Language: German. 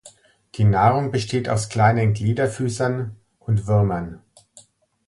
Die Nahrung besteht aus kleinen Gliederfüßern und Würmern.